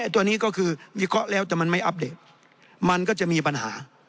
ตัวนี้ก็คือวิเคราะห์แล้วแต่มันไม่อัปเดตมันก็จะมีปัญหา